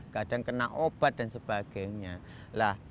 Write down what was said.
kadang kena obat dan sebagainya